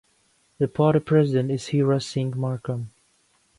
The party president is Hira Singh Markam.